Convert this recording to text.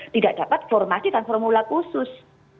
tidak dapat formasi dan formula khusus